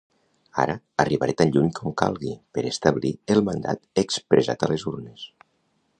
Ara: arribaré tan lluny com calgui per establir el mandat expressat a les urnes.